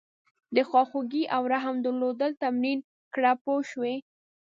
د خواخوږۍ او رحم درلودل تمرین کړه پوه شوې!.